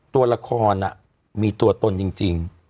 ตัวละครมีตัวตนจริง